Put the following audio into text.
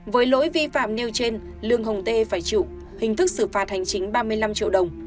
với lỗi vi phạm nêu trên lương hồng tê phải chịu hình thức xử phạt hành chính ba mươi năm triệu đồng